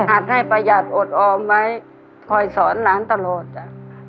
ให้ประหยัดอดออมไว้คอยสอนหลานตลอดจ้ะ